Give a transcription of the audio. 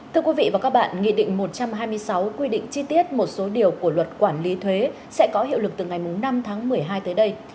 thưa quý vị và các bạn nghị định một trăm hai mươi sáu quy định chi tiết một số điều của luật quản lý thuế sẽ có hiệu lực từ ngày năm tháng một mươi hai tới đây